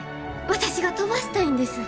私が飛ばしたいんです。